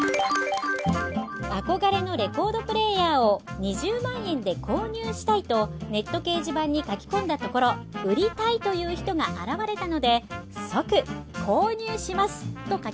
憧れのレコードプレーヤーを２０万円で購入したいとネット掲示板に書き込んだところ売りたいという人が現れたので即「購入します！」と書き込みました。